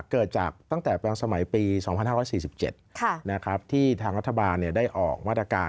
เกิดจากตั้งแต่สมัยปี๒๕๔๗ที่ทางรัฐบาลได้ออกมาตรการ